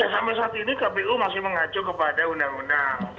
sampai saat ini kpu masih mengacu kepada undang undang